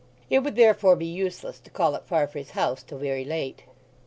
It would therefore be useless to call at Farfrae's house till very late.